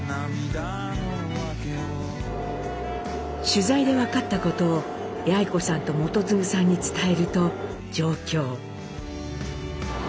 取材で分かったことを八詠子さんと基次さんに伝えると上京。